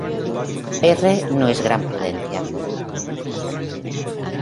R-No es gran prudencia.